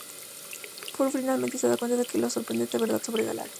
Burt finalmente se da cuenta de la sorprendente verdad sobre Gatlin.